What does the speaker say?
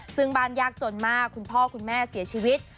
ซึ่งบ้านยากจนมากคุณพ่อคุณแม่เสียชีวิต